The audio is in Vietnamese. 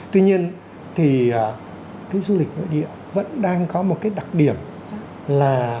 tuy nhiên thì cái du lịch nội địa vẫn đang có một cái đặc điểm là